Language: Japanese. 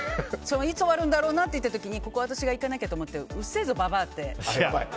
いつ終わるんだろうなっていう時にここ私がいかなきゃと思ってうっせえぞ、ババア！って。